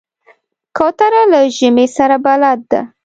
کوتره له ژمي سره بلد ده.